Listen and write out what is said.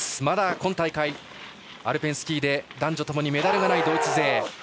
まだ今大会アルペンスキーで男女ともにメダルがないドイツ勢。